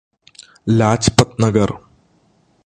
Lajpat Nagar